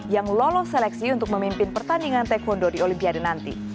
yang lolos seleksi untuk memimpin pertandingan taekwondo di olimpiade nanti